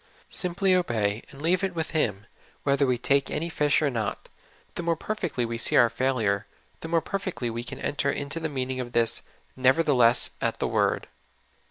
Simply obey, and leave it with Him, whether we take any fish or not. The more perfectly we see our failure, the more perfectly can we enter into the meaning of this " nevertheless at the word."